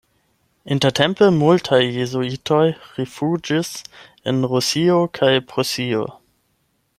Intertempe multaj jezuitoj rifuĝis en Rusio kaj Prusio.